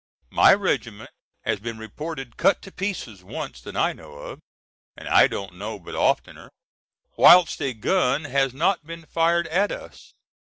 My regiment has been reported cut to pieces once that I know of, and I don't know but oftener, whilst a gun has not been fired at us.